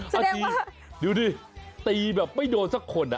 สักทีดูนี่ตีแบบไม่โดนสักคน